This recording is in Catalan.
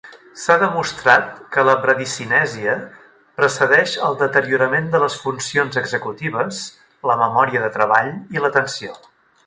S'ha demostrat que la bradicinèsia precedeix el deteriorament de les funcions executives, la memòria de treball i l'atenció.